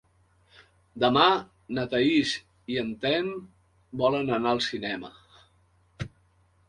Demà na Thaís i en Telm volen anar al cinema.